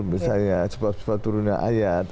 misalnya sebab cepat turunnya ayat